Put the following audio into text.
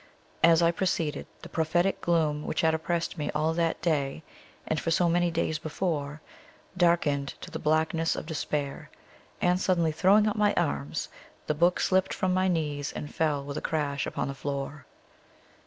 As I proceeded, the prophetic gloom which had oppressed me all that day, and for so many days before, darkened to the blackness of despair, and suddenly throwing up my arms, the book slipped from my knees and fell with a crash upon the floor.